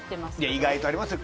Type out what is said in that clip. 意外とありますよ。